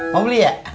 mau beli ya